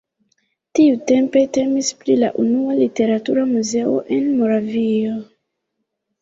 Tiutempe temis pri la unua literatura muzeo en Moravio.